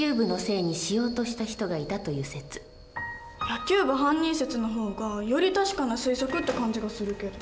野球部犯人説の方がより確かな推測って感じがするけど。